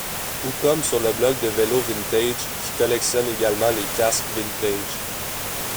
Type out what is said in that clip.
Ou comme sur le blog de Vélo Vintage qui collectionne également les casques vintages.